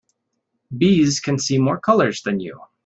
Bees can see more colors than you.